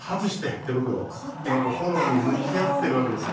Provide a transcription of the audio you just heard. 炎に向き合ってるわけですよ。